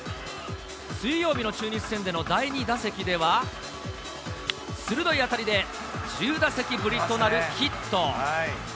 水曜日の中日戦での第２打席では、鋭い当たりで、１０打席ぶりとなるヒット。